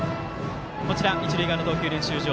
一塁側の投球練習場。